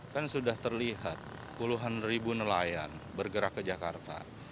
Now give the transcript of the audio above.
kan sudah terlihat puluhan ribu nelayan bergerak ke jakarta